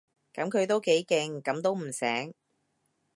噉佢都幾勁，噉都唔醒